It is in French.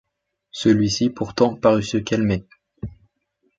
Celui-ci pourtant parut se calmer.